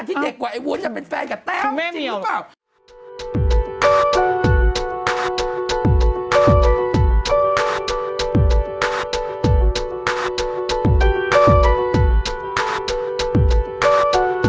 ที่เด็กกว่าไอ้วุ้นจะเป็นแฟนกับแต้มจริงหรือเปล่า